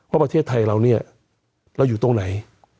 ประเทศไทยเราเนี่ยเราอยู่ตรงไหน